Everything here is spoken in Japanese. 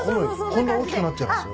こんな大きくなっちゃいますよ。